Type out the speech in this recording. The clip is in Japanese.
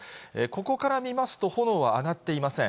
ここから見ますと、炎は上がっていません。